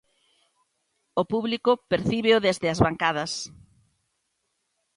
O público percíbeo desde as bancadas.